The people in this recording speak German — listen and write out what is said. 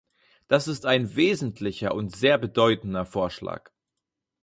Das ist ein wesentlicher und sehr bedeutender Vorschlag.